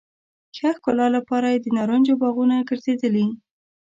ښه ښکلا لپاره یې نارنجو باغونه ګرځېدلي.